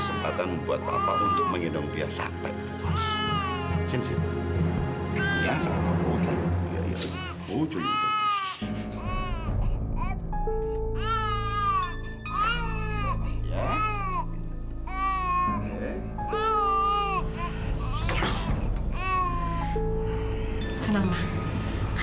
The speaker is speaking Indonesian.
sampai jumpa di video selanjutnya